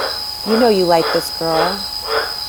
You know you like this girl.